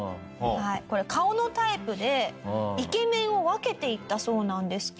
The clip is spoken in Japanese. これ顔のタイプでイケメンを分けていったそうなんですけれども。